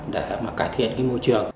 để cải thiện môi trường